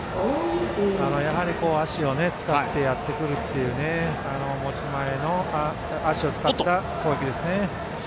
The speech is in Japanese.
やはり足を使ってやってくるっていう持ち前の足を使った攻撃ですね。